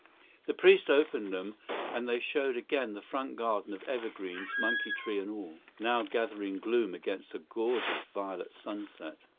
The priest opened them, and they showed again the front garden of evergreens, monkey tree and all, now gathering gloom against a gorgeous violet sunset.